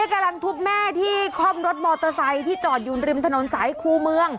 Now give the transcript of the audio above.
กำลังทุบแม่ที่คล่อมรถมอเตอร์ไซค์ที่จอดอยู่ริมถนนสายคู่เมือง